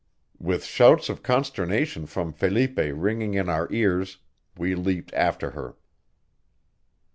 With shouts of consternation from Felipe ringing in our ears, we leaped after her.